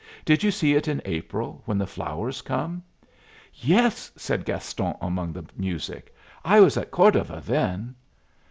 "Did you see it in April, when the flowers come?" "Yes," said Gaston, among the music. "I was at Cordova then."